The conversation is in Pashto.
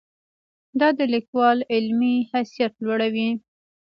دا د لیکوال علمي حیثیت لوړوي.